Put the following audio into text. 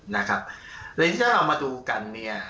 ในที่เราเอามาดูกัน